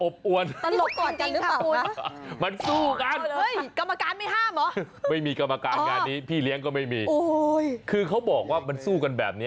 สามเศร้าเราสามตัว